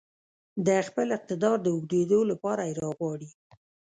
د خپل اقتدار د اوږدېدو لپاره يې راغواړي.